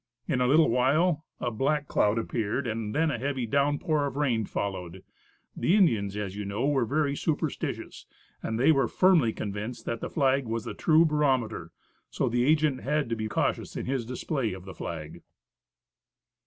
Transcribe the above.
In a little while, a black cloud appeared and then a heavy downpour of rain followed. The Indians, as you know were very superstitious, and they were firmly convinced that the flag was a true barometer, so the agent had to be cautious in his display of the flag.